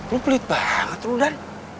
lu pelit banget lu dan